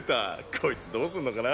こいつどすんのかな？